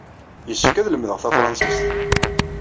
Yessefk ad lemdeɣ tafṛensist.